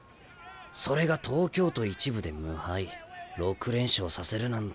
それが東京都１部で無敗６連勝させるなんてあの監督